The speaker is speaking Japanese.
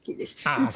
ああ